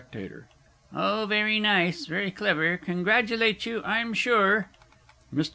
Oh, very nice, very clever congratulate you, I'm sure. MR.